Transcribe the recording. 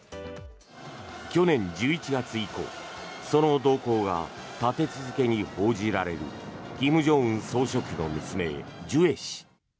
去年１１月以降その動向が立て続けに報じられる金正恩総書記の娘・ジュエ氏。